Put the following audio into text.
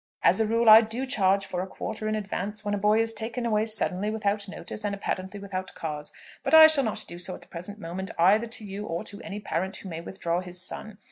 As a rule I do charge for a quarter in advance when a boy is taken away suddenly, without notice, and apparently without cause. But I shall not do so at the present moment either to you or to any parent who may withdraw his son.